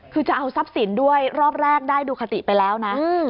คือจะเอาทรัพย์สินด้วยรอบแรกได้ดูคติไปแล้วนะ